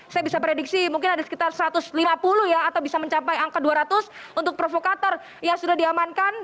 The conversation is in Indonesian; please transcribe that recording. saya bisa prediksi mungkin ada sekitar satu ratus lima puluh ya atau bisa mencapai angka dua ratus untuk provokator yang sudah diamankan